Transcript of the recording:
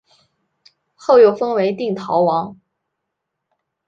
后又封为定陶王。